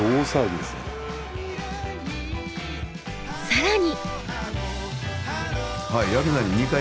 更に！